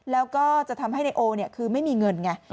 แล้วก็จะทำให้นายโอคือไม่มีเงินไง